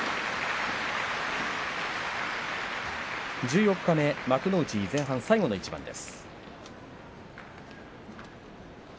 十四日目、幕内前半最後の一番です。